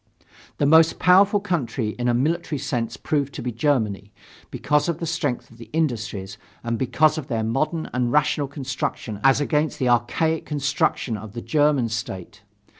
The most powerful country in a military sense proved to be Germany, because of the strength of the industries and because of their modern and rational construction as against the archaic construction of the German State.